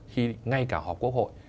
khi ngay cả họp quốc hội